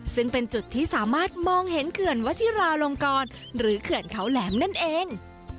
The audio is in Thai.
ซึ่งเป็นจุดที่สามารถมองเห็นเขื่อนวชิราลงกรหรือเขื่อนเขาแหลมนั่นเอง